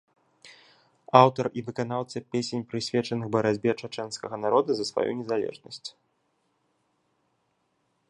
Аўтар і выканаўца песень прысвечаных барацьбе чачэнскага народа за сваю незалежнасць.